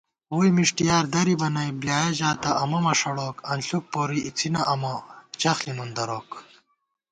ووئی مِݭٹِیار درِبہ نئ، بۡلیایَہ ژاتہ امہ مݭَڑوک * انݪُک پوری اِڅِنہ امہ چَخݪی نُن دروک